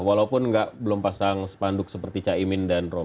walaupun nggak belum pasang sepanduk seperti caimin dan romy